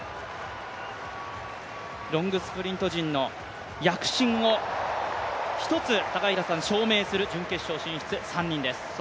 ロングスプリント陣の躍進を証明する、３人の準決勝進出です。